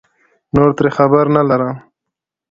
نور ترې خبر نه لرم